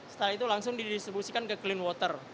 setelah itu langsung didistribusikan ke clean water